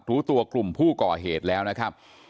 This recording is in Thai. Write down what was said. รู้ตัวกลุ่มผู้ก่อเหตุแล้วนะครับ